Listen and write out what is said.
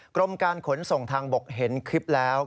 กรมการขนส่งทางบกเห็นคลิปแล้ว